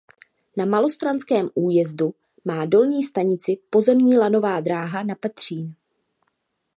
Na malostranském Újezdu má dolní stanici pozemní Lanová dráha na Petřín.